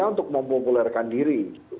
untuk mempopulerkan diri